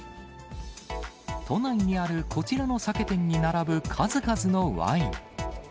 都内にあるこちらの酒店に並ぶ、数々のワイン。